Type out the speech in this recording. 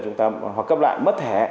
chúng ta hoặc cấp lại mất thẻ